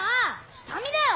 下見だよ！